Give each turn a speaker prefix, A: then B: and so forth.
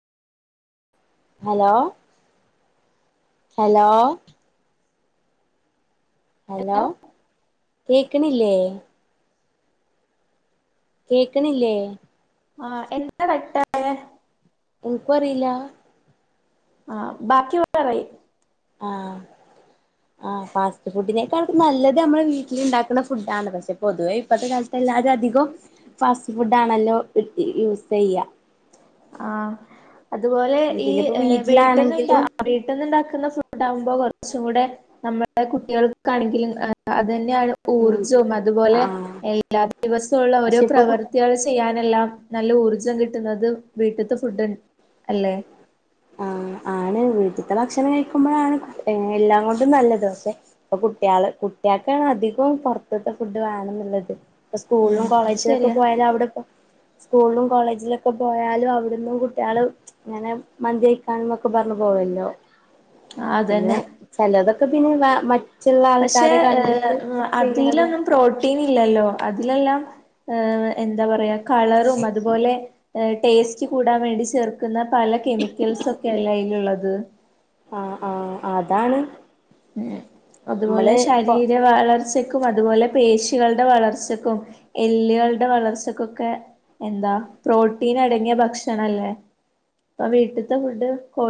A: hello hello hello കേക്ക്‌ണില്ലേ കേക്ക്‌ണ്ല്ലേ
B: ആ എന്താ [unintelligible]
A: ഇൻകും അറീലാ
B: ആ ബാക്കി [unintelligible]
A: ആഹ്
B: [inaudible]
A: ആ ഫാസ്റ്റ് ഫുഡിനേക്കാൾ നല്ലത് നമ്മള് വീട്ട്ല്ണ്ടാക്കുന്ന ഫുഡണ് പക്ഷെ പൊതുവേ ഇപ്പത്തെ കാലത്ത് എല്ലാരും അധികോം ഫാസ്റ്റ് ഫുഡ് ആണല്ലോ യൂസ് ചെയ്യ
B: ആഹ് അതുപോലെ ഈ
A: പിന്നെപ്പോ
B: വീട്ടുന്നുണ്ടാ
A: വീട്ടിലാണെങ്കിലും
B: വീട്ടിന്നുണ്ടാക്കുന്ന ഫുഡ് ആകുമ്പോൾ കുറച്ചും കൂടെ നമ്മുടെ കുട്ടികൾക്കാണെങ്കിലും അത് തന്നെയാണ്
A: ഉം
B: ഊർജ്ജവും അതുപോലെ
A: ആഹ്
B: എല്ലാ ദിവസവുള്ള ഓരോ
A: പക്ഷെ ഇപ്പൊ കു
B: പ്രവർ പ്രവർത്തികൾ ചെയ്യാനെല്ലാം നല്ല ഊർജ്ജം കിട്ടുന്നത് വീട്ടിത്ത് ഫുഡ് അല്ലേ
A: ആഹ് ആണ് വീട്ടിത്തെ ഭക്ഷണം കഴിക്കുമ്പോഴാണ് എല്ലാം കൊണ്ടും നല്ലത് പക്ഷെ ഇപ്പൊ കുട്ടിയാള് കുട്ടിയാൾക്കാണ് അധികോം പുറത്തത്തെ ഫുഡ് വേണം എന്നുള്ളത് ഇപ്പൊ
B: ഉം
A: സ്കൂളിലും
B: അത്
A: കോളേജിലൊക്കെ
B: ശരിയാ
A: പോയാല് അവിടെ ഇപ്പം സ്കൂളിലും കോളേജിലൊക്കെ പോയാലും അവിടുന്നും കുട്ടികള് ഇങ്ങനെ മന്തി കഴിക്കാന് എന്നൊക്കെ പറഞ്ഞ് പോവല്ലോ
B: ആ
A: പിന്നെ
B: അതന്നെ
A: ചിലതൊക്കെ പിന്നെ മറ്റുള്ള
B: പക്ഷെ
A: ആൾക്കാര്
B: ഏഹ്
A: കണ്ടിട്ട് ചെയ്യണതും
B: അതിലൊന്നും പ്രോട്ടീൻ ഇല്ലല്ലോ അതിലെല്ലാം എന്താ പറയാ കളറും അതുപോലെ ടേസ്റ്റ് കൂടാൻ വേണ്ടി ചേർക്കുന്ന പല കെമിക്കൽസ് ഒക്കെ അല്ലെ അയിലുള്ളത്
A: ആഹ് ആഹ് അതാണ്
B: ഉം അതുപോലെ
A: നമ്മള്
B: ശരീര വളർച്ച ക്കും അതുപോലെ പേശികളുടെ വളർച്ചക്കും എല്ലുകളുടെ വളർച്ചക്കൊക്കെ എന്താ പ്രോട്ടീൻ അടങ്ങിയ ഭക്ഷണല്ലേ അപ്പൊ വീട്ടിത്തെ ഫുഡ്